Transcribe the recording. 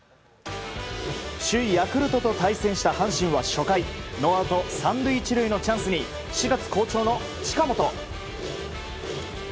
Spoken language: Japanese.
首位、ヤクルトと対戦した阪神は初回ノーアウト３塁１塁のチャンスに４月好調の近本。